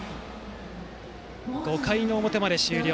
５回の表まで終了。